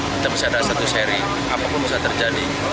kita bisa ada satu seri apapun bisa terjadi